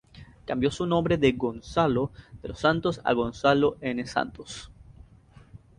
Cambió su nombre de Gonzalo de los Santos a Gonzalo N. Santos.